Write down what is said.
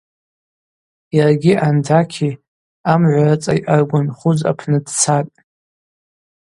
Йаргьи андакьи амгӏви рыцӏа йъаргванхуз апны дцатӏ.